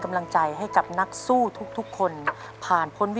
อยากจะให้รักสบาย